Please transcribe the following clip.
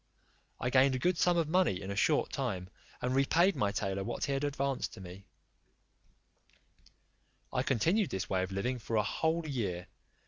I gained a good sum of money in a short time, and repaid my tailor what he had advanced to me I continued this way of living for a whole year.